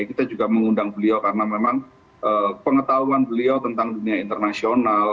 kita juga mengundang beliau karena memang pengetahuan beliau tentang dunia internasional